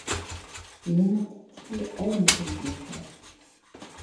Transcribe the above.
يېڭى تىپتىكى ئالما كومپيۇتېر.